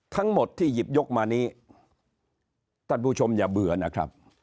ทั้งหมดที่หยิบยกมานี้ท่านผู้ชมอย่าเบื่อนะครับ